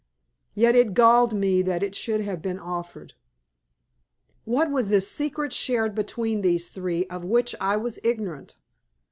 Yet it galled me that it should have been offered. What was this secret shared between these three of which I was ignorant?